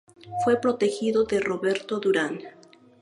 Fue protegido de Roberto Durán.